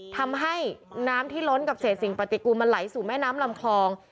ทำให้น้ำที่ล้นกับเศษสิ่งปฏิกูลมันไหลสู่แม่น้ำลำคลอง